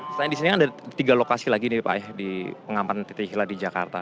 selain di sini kan ada tiga lokasi lagi nih pak ya di pengamanan titik hilal di jakarta